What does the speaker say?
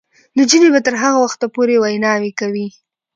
نجونې به تر هغه وخته پورې ویناوې کوي.